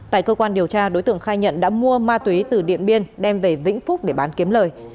tại cơ quan điều tra đối tượng khai nhận đã mua ma túy từ điện biên đem về vĩnh phúc để bán kiếm lời